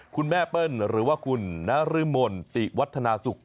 คุณแม่เปิ้ลหรือว่าคุณนรมนติวัฒนาศุกร์